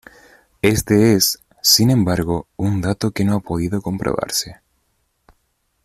Éste es, sin embargo, un dato que no ha podido comprobarse.